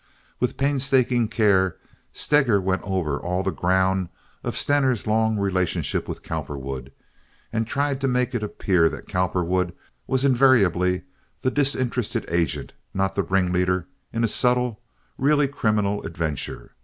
With painstaking care Steger went over all the ground of Stener's long relationship with Cowperwood, and tried to make it appear that Cowperwood was invariably the disinterested agent—not the ringleader in a subtle, really criminal adventure.